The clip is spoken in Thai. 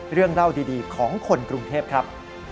เรื่องเล่าดีของคนกรุงเทพครับ